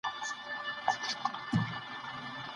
مخکي خلکو دا موضوع جدي نه نیوله.